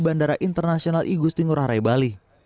bandara internasional igusti ngurah rai bali